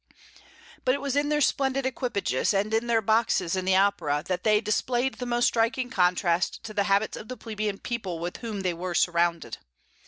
But it was in their splendid equipages, and in their boxes at the opera, that they displayed the most striking contrast to the habits of the plebeian people with whom they were surrounded.